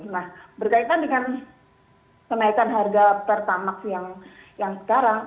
nah berkaitan dengan kenaikan harga pertamax yang sekarang